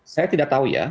saya tidak tahu ya